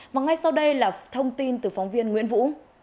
và ngay sau đây là thông tin từ phóng viên nguyễn vũ